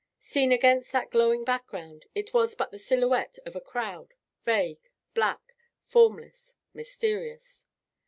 Seen against that glowing background, it was but the silhouette of a crowd, vague, black, formless, mysterious.